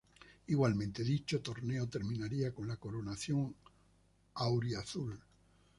Igualmente dicho torneo terminaría con la coronación auriazul.